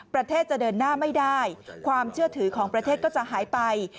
ประเทศจะเดินหน้าไม่ได้ความเชื่อถือของประเทศก็จะหายไป